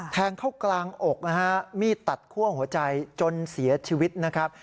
แทงเข้ากลางอกนะฮะมีดตัดคั่วหัวใจจนเสียชีวิตนะครับ